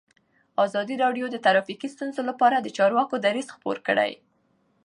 ازادي راډیو د ټرافیکي ستونزې لپاره د چارواکو دریځ خپور کړی.